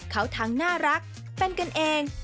เขาทั้งน่ารักเป็นกันเอง